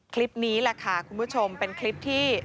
คลิปนี้แหละค่ะคุณผู้ชมเป็นคลิปที่